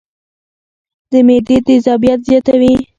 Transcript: د معدې تېزابيت زياتوي